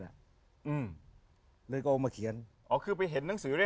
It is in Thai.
หรือมันเพียงแบบนี้